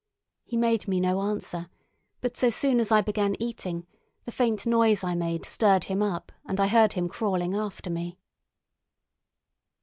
He made me no answer, but so soon as I began eating the faint noise I made stirred him up and I heard him crawling after me.